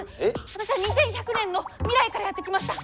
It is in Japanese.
私は２１００年の未来からやって来ました。